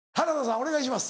お願いします